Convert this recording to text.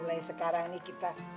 mulai sekarang nih kita